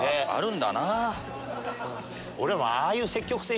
俺らも。